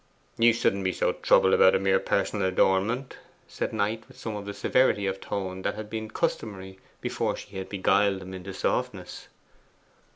'You shouldn't be so troubled about a mere personal adornment,' said Knight, with some of the severity of tone that had been customary before she had beguiled him into softness.